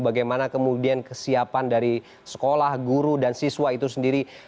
bagaimana kemudian kesiapan dari sekolah guru dan siswa itu sendiri